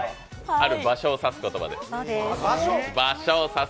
ある場所を指す言葉です。